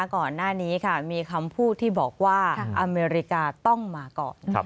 ก่อนหน้านี้ค่ะมีคำพูดที่บอกว่าอเมริกาต้องมาก่อน